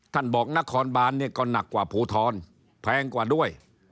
ท่านบอกนครบานก็หนักกว่าผูทรแพงกว่าด้วย